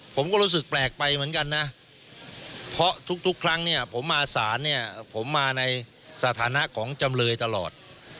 ผมก็รู้สึกแปลกไปเหมือนกันนะเพราะทุกครั้งเนี่ยผมมาศาลเนี่ยผมมาในสถานะของจำเลยตลอด